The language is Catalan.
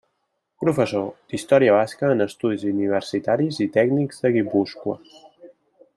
Professor d'Història Basca en Estudis Universitaris i Tècnics de Guipúscoa.